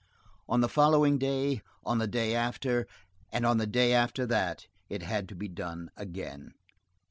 On the following day, on the day after, and on the day after that, it had to be done again.